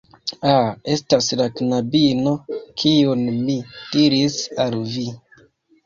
Ah, estas la knabino kiun mi diris al vi